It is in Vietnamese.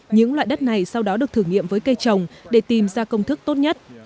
những loại đất này sau đó được thử nghiệm với cây trồng để tìm ra công thức tốt nhất